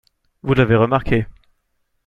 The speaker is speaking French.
Vous l’avez remarqué.